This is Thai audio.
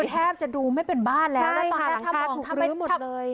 คือแทบจะดูไม่เป็นบ้านแล้วใช่ค่ะหลังคาถูกรื้อหมดเลย